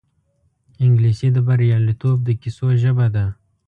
انګلیسي د بریالیتوب د کیسو ژبه ده